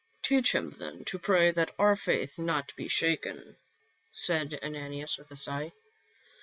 "Teach him, then, to pray that our faith be not shaken," said Ananias with a sigh.